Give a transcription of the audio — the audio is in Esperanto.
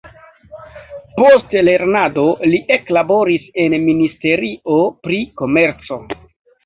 Post lernado li eklaboris en ministerio pri komerco.